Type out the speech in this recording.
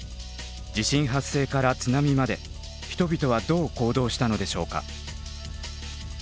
地震発生から津波まで人々はどう行動したのでしょうか。